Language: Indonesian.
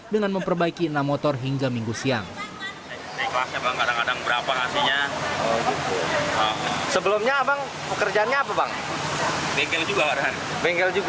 dengan memperbaiki enam motor yang menggunakan motor yang memiliki